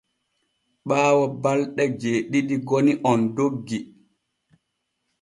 Ɓaawo balɗe jeeɗiɗi goni on doggi.